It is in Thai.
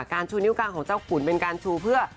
ชูนิ้วกลางของเจ้าขุนเป็นการชูเพื่อ